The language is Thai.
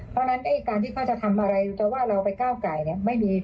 เพราะฉะนั้นการที่เขาจะทำอะไรจะว่าเราไปก้าวไก่เนี่ยไม่มี